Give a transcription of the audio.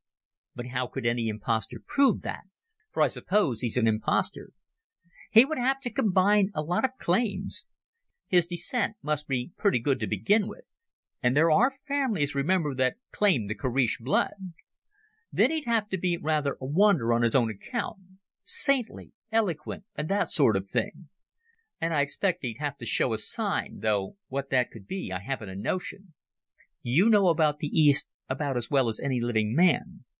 "But how could any impostor prove that? For I suppose he's an impostor." "He would have to combine a lot of claims. His descent must be pretty good to begin with, and there are families, remember, that claim the Koreish blood. Then he'd have to be rather a wonder on his own account—saintly, eloquent, and that sort of thing. And I expect he'd have to show a sign, though what that could be I haven't a notion." "You know the East about as well as any living man.